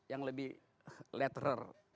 yang lebih letterer